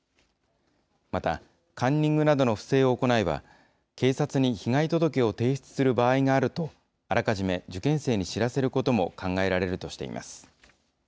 また、カンニングなどの不正を行えば、警察に被害届を提出する場合があると、あらかじめ受験生に知らせることも考えられるとしています。